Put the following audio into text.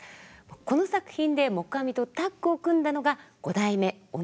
この作品で黙阿弥とタッグを組んだのが五代目尾上菊五郎です。